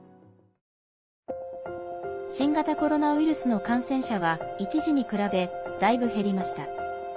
新型コロナウイルスの感染者は一時に比べ、だいぶ減りました。